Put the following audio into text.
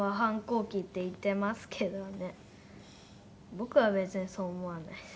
僕は別にそう思わないです。